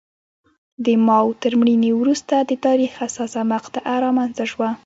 د ماوو تر مړینې وروسته د تاریخ حساسه مقطعه رامنځته شوه.